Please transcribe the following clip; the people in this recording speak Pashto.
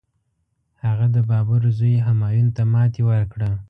هغه د بابر زوی همایون ته ماتي ورکړه.